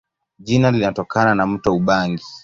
Jina linatokana na mto Ubangi.